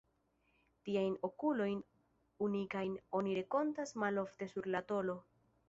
Tiajn okulojn, unikajn, oni renkontas malofte sur la tolo.